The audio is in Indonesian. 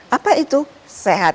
apa itu sehat